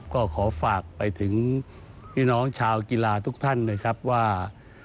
ก็ขอฝากไปถึงพี่น้องชาวกีฬาทุกท่านนะครับว่า